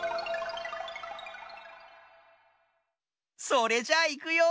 それじゃいくよ。